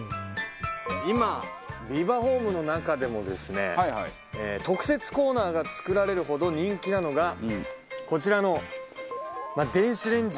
今ビバホームの中でもですね特設コーナーが作られるほど人気なのがこちらの。